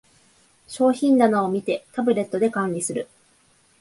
商品棚を見て、タブレットで管理する